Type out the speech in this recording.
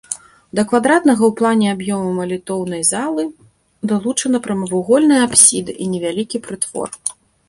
Да квадратнага ў плане аб'ёму малітоўнай залы далучана прамавугольная апсіда і невялікі прытвор.